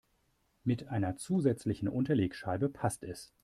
Mit einer zusätzlichen Unterlegscheibe passt es.